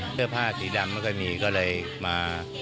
เพื่อผ้าสีดำแล้วก็มีก็เลยมา